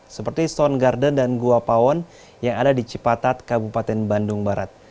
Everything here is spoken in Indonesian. seperti stone garden dan gua pawon yang ada di cipatat kabupaten bandung barat